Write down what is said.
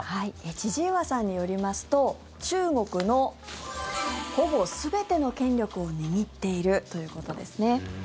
千々岩さんによりますと中国のほぼ全ての権力を握っているということですね。